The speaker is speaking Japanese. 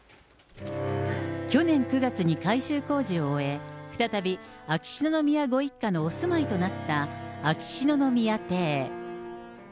去年９月に改修工事を終え、再び秋篠宮ご一家のお住まいとなった秋篠宮邸。